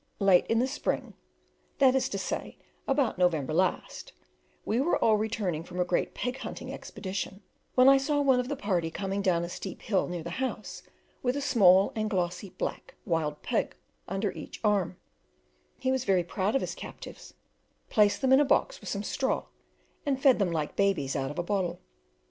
Late in the spring (that is to say, about November last) we were all returning from a great pig hunting expedition, when I saw one of the party coming down a steep hill near the house with a small and glossy black wild pig under each arm; he was very proud of his captives, placed them in a box with some straw, and fed them like babies out of a bottle.